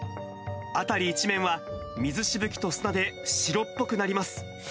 辺り一面は水しぶきと砂で白っぽくなります。